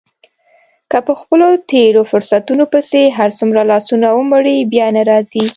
که په خپلو تېرو فرصتونو پسې هرڅومره لاسونه ومروړې بیا نه را ګرځي.